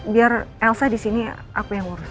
biar elsa disini aku yang urus